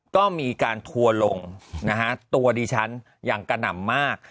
ก็มีการทัวร์ลงนะฮะตัวดิฉันอย่างกระหน่ำมาก